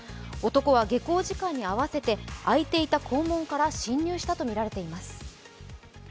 男は下校時間に合わせて開いていた校門から侵入したとみられています。